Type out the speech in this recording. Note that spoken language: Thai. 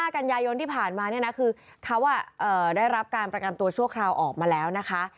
กันยายนที่ผ่านมาเนี่ยนะคือเขาได้รับการประกันตัวชั่วคราวออกมาแล้วนะคะ